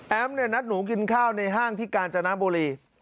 แอ้มเนี่ยนัดหนูกินข้าวในห้างที่กาญจาน้ำโบรี